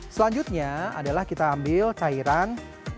selanjutnya adalah kita ambil cairan